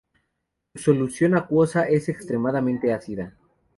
Su solución acuosa es extremadamente ácida.